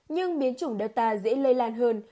nhưng biến chủng delta dễ lây lan hơn